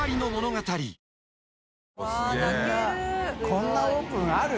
こんなオープンある？